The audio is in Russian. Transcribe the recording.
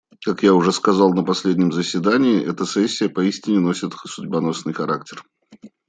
Как я уже сказал на последнем пленарном заседании, эта сессия поистине носит судьбоносный характер.